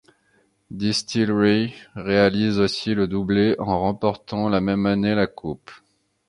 Distillery réalise aussi le doublé en remportant la même année la Coupe.